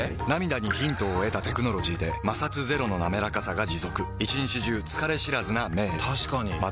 涙にヒントを得たテクノロジーで摩擦ゼロのなめらかさが持続一日中疲れ知らずな目へ確かに。